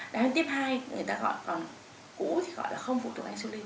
đó là tiếp hai người ta gọi còn cũ thì gọi là không phụ thuộc insulin